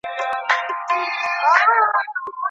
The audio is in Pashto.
ولي یوازي طبیعي ډالۍ د ژوند د سیالیو لپاره کافي نه دي؟